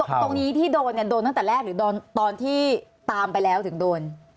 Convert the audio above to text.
ตรงนี้ที่โดนน่ะโดนนอันต่อแรกหรือตอนที่ตามไปแล้วถึงโดน